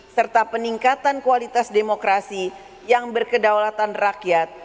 serta peningkatan kualitas demokrasi yang berkedaulatan rakyat